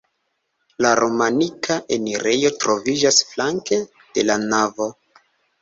La romanika enirejo troviĝas flanke de la navo.